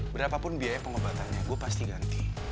berapa pun biaya pengobatannya gue pasti ganti